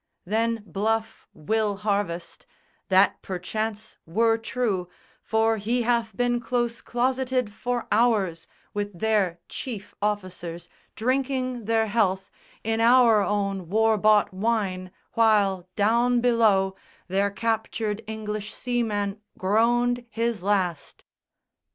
Then bluff Will Harvest, "That perchance were true, For he hath been close closeted for hours With their chief officers, drinking their health In our own war bought wine, while down below Their captured English seaman groaned his last."